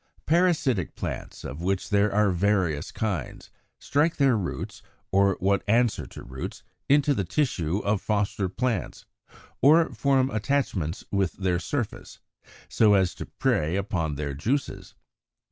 80. =Parasitic Plants=, of which there are various kinds, strike their roots, or what answer to roots, into the tissue of foster plants, or form attachments with their surface, so as to prey upon their juices.